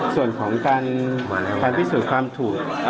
ส่วนของการพิสูจน์ความถูก